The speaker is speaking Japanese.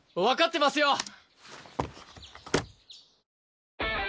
わかってますよ！